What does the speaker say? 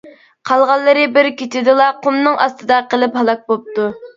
قالغانلىرى بىر كېچىدىلا قۇمنىڭ ئاستىدا قېلىپ ھالاك بوپتۇ.